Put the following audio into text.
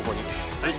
はい。